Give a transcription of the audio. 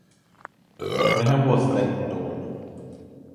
Graham was then known.